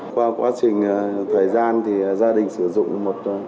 qua quá trình thời gian thì gia đình sử dụng một